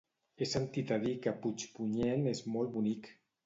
He sentit a dir que Puigpunyent és molt bonic.